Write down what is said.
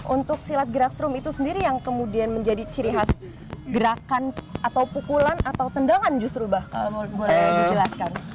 untuk silat gerak strum itu sendiri yang kemudian menjadi ciri khas gerakan atau pukulan atau tendangan justru bah kalau boleh dijelaskan